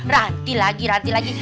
ranti lagi ranti lagi